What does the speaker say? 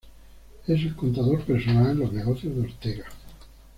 Es el contador personal en los negocios de Ortega.